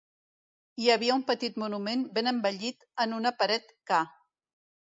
Hi havia un petit monument ben embellit en una paret ca.